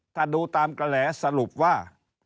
ถ้าดูตามกระแสสรุปว่า